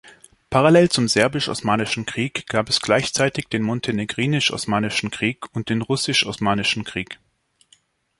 Parallel zum Serbisch-Osmanischen Krieg gab es gleichzeitig den Montenegrinisch-Osmanischen Krieg und den Russisch-Osmanischen Krieg.